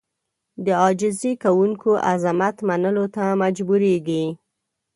د عاجزي کوونکي عظمت منلو ته مجبورېږي.